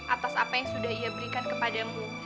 atas apa yang sudah ia berikan kepadamu